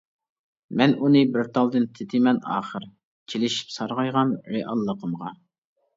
مەن ئۇنى بىر تالدىن تېتىيمەن ئاخىر، چىلىشىپ سارغايغان رېئاللىقىمغا.